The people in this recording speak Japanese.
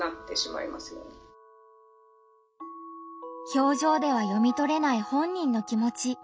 表情では読みとれない本人の気持ち。